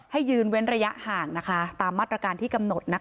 ให้ยืนเว้นระยะห่างตามมาตรการที่กำหนด